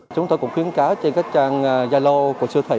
chúng tôi cũng khuyến cáo trên các trang zalo của siêu thị